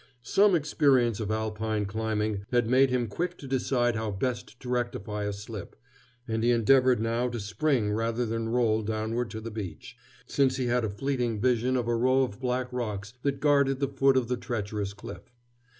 Some experience of Alpine climbing had made him quick to decide how best to rectify a slip, and he endeavored now to spring rather than roll downward to the beach, since he had a fleeting vision of a row of black rocks that guarded the foot of the treacherous cliff.